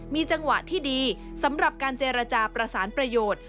มีจังหวะที่ดีสำหรับการเจรจาประสานประโยชน์